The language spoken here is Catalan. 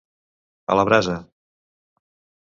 A la brasa.